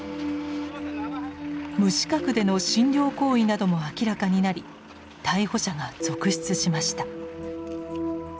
無資格での診療行為なども明らかになり逮捕者が続出しました。